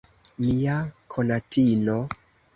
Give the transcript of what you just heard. Mia konatino.